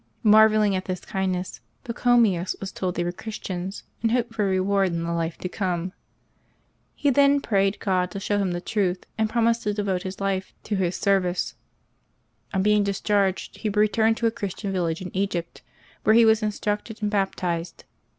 Marvelling at this kind ness, Pachomius was told they were Christians, and hoped for a reward in the life to come. He then prayed God to show him the truth, and promised to devote his life to His 180 LIVES OF THE SAINTS [May 15 service. On being discharged, he returned to a Christian village in Egypt, where he was instructed and baptized.